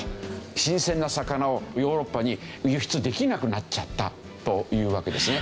新鮮な魚をヨーロッパに輸出できなくなっちゃったというわけですね。